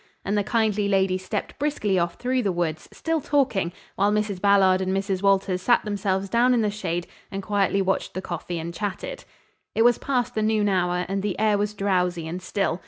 And the kindly lady stepped briskly off through the woods, still talking, while Mrs. Ballard and Mrs. Walters sat themselves down in the shade and quietly watched the coffee and chatted. It was past the noon hour, and the air was drowsy and still.